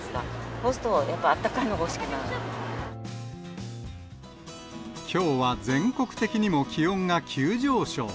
そうすると、きょうは全国的にも気温が急上昇。